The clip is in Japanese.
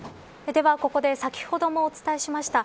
では、ここで先ほどもお伝えしました。